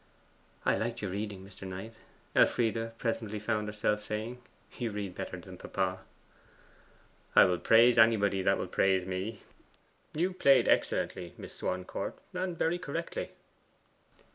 'I liked your reading, Mr. Knight,' Elfride presently found herself saying. 'You read better than papa.' 'I will praise anybody that will praise me. You played excellently, Miss Swancourt, and very correctly.